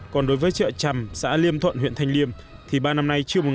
còn đối với chợ trầm xã liêm thuận huyện thanh liêm thì ba năm nay chưa một ngày hoạt động